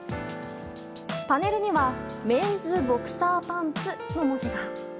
パネルにはメンズボクサーパンツの文字が。